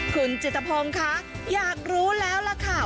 คุณจิตภงค่ะอยากรู้แล้วล่ะค่ะ